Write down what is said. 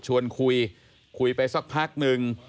ชวนคุยคุยไปสักพักนึง